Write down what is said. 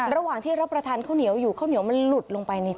ระหว่างที่รับประทานข้าวเหนียวอยู่ข้าวเหนียวมันหลุดลงไปใน